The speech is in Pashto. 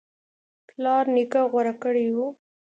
پلار نیکه غوره کړی و